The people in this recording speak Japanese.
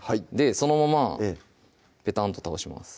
そのままペタンと倒します